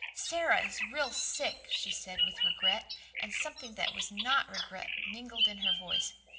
"Sara is real sick," she said, with regret, and something that was not regret mingled in her voice.